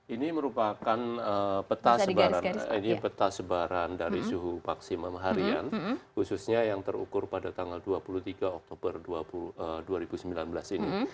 ini merupakan peta sebaran dari suhu maksimum harian khususnya yang terukur pada tanggal dua puluh tiga oktober dua ribu sembilan belas ini